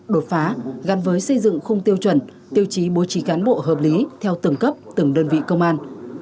đột phá gắn với xây dựng khung tiêu chuẩn tiêu chí bố trí cán bộ hợp lý theo từng cấp từng đơn vị công an